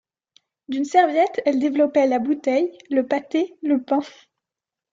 D'une serviette elle développait la bouteille, le pâté, le pain.